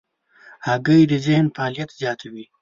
هګۍ د ذهن فعالیت زیاتوي.